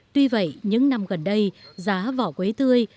tuy vậy những năm gần đây giá vỏ quế tươi